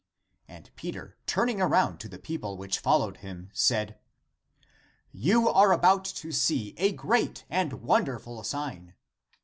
And Peter, turning around to the people which followed him, said," You are about to see a great and wonderful sign."